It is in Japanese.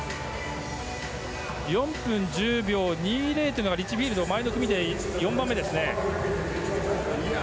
４分１０秒２０というのがリッチフィールド前の組で４番目です。